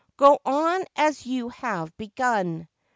Go on as you have begun.